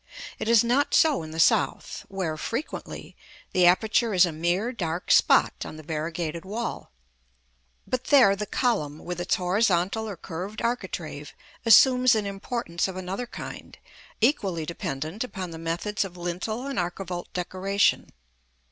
It is not so in the south, where, frequently, the aperture is a mere dark spot on the variegated wall; but there the column, with its horizontal or curved architrave, assumes an importance of another kind, equally dependent upon the methods of lintel and archivolt decoration.